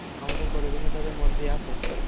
আমাদের প্রবেশে তাদের মর্জি আছে।